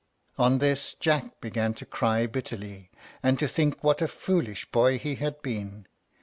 On this Jack began to cry bitterly, and to think what a foolish boy he had been.